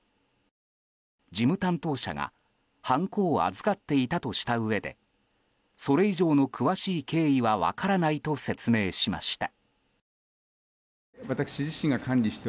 事務担当者がはんこを預かっていたとしたうえでそれ以上の詳しい経緯は分からないと説明しました。